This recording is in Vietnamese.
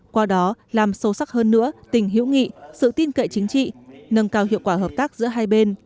qua đó làm sâu sắc hơn nữa tình hữu nghị sự tin cậy chính trị nâng cao hiệu quả hợp tác giữa hai bên